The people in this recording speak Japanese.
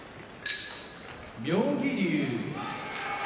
妙義龍